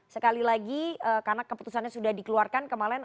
sekali lagi karena keputusannya sudah dikeluarkan kemarin